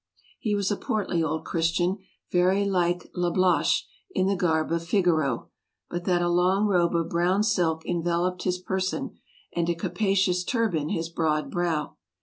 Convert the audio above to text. He was a portly old Christian, very like Lablache in the garb of Figaro, but that a long robe of brown silk enveloped his person, and a capacious turban his broad brow.